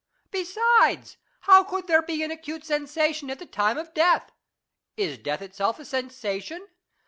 Besides, how could there be an acute sensation at the time of death ? Is death itself a sensation